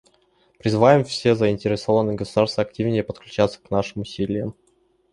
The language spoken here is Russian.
Призываем все заинтересованные государства активнее подключаться к нашим усилиям.